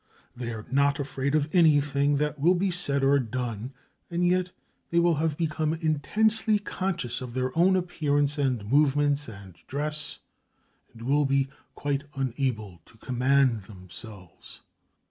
They are not afraid of anything that will be said or done; and yet they will have become intensely conscious of their own appearance and movements and dress, and will be quite unable to command themselves.